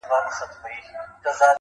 زه مي د شرف له دایرې وتلای نسمه,